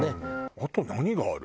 あと何がある？